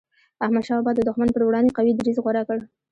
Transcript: احمد شاه بابا د دښمن پر وړاندي قوي دریځ غوره کړ.